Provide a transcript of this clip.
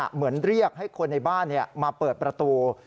เหมือนเรียกให้คนในบ้านมาเปิดประตู